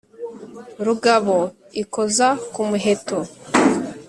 Rugabo* ikoza ku muheto.